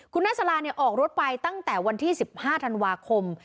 คุณนัสราเนี่ยออกรถไปตั้งแต่วันที่สิบห้าธันวาคม